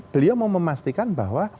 beliau mau memastikan bahwa